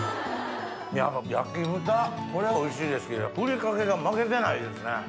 やっぱ焼豚これおいしいですけどふりかけが負けてないですね。